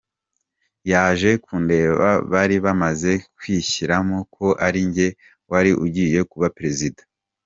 Yaje kundeba, bari baramaze kwishyiramo ko ari njye wari ugiye kuba Perezida.